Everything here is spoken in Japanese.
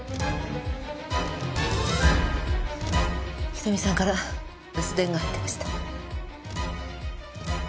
瞳さんから留守電が入っていました。